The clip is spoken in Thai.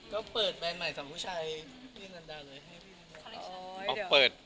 ก็เปิดแบรนด์ใหม่จากผู้ชายพี่นันดาเลยให้พี่